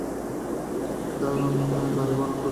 আমি তো গাড়ি বারণ করিয়া দিয়াছিলাম।